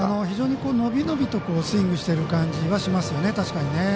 非常に伸び伸びとスイングしてる感じはしますよね